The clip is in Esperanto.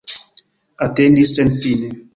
Atendis senfine.